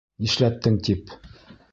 — Нишләттең, тип...